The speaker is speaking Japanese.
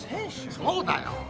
そうだよ。